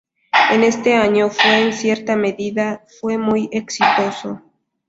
En este año fue, en cierta medida, fue muy exitoso.